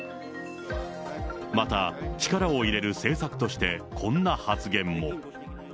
また、力を入れる政策として、こんな発言も。